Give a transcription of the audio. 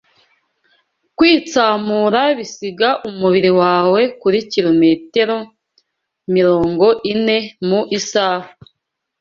Kwitsamura bisiga umubiri wawe kuri kilometero mirongo ine mu isaha.